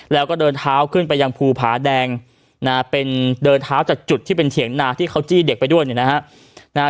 แล้วก็เดินเท้าขึ้นไปยังภูผาแดงนะฮะเป็นเดินเท้าจากจุดที่เป็นเถียงนาที่เขาจี้เด็กไปด้วยเนี่ยนะฮะ